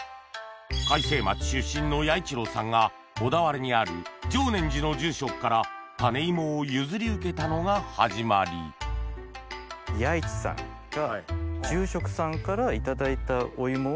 開成町出身の弥一郎さんが小田原にある常念寺の住職から種芋を譲り受けたのが始まり弥一さんが。